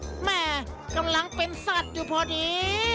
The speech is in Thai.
แหม่กำลังเป็นสัตว์อยู่พอดี